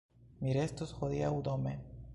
Mi restos hodiaŭ dome.